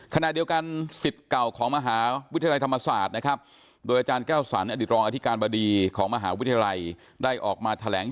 ขณะเดียวกันสิ่งเก่าของมหาวิทยาลัยธรรมศาสตร์โดยอาจารย์เก้าสัญลักษณ์อดิตรองอธิการบดีของมหาวิทยาลัยได้ออกมาแถลงยืนยันเจตจำนงว่าจะรวบรวมรายชื่อ